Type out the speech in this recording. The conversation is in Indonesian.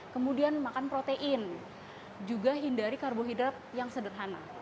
kemudian makan protein juga hindari karbohidrat yang sederhana